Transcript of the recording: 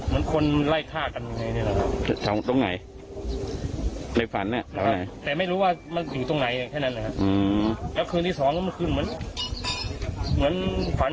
มันคนไล่ท่ากันตรงไหนไปฝันไม่รู้ว่ามันอยู่ตรงไหนแค่นั้นนะแถวขึ้นที่สองคืนเหมือนเหมือนฝัน